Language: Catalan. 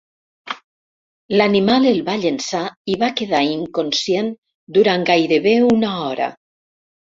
L'animal el va llençar i va quedar inconscient durant gairebé una hora.